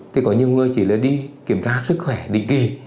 thì có nhiều người chỉ là đi kiểm tra sức khỏe định kỳ